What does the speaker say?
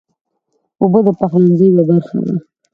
اوبه د پخلنځي یوه برخه ده.